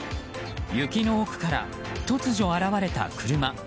雪の奥から突如現れた車。